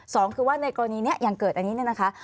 สองคือว่าในกรณีนี้อย่างเกิดอันนี้นะคะ